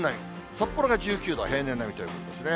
札幌が１９度、平年並みということですね。